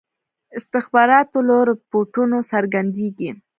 استخباراتو له رپوټونو څرګندیږي.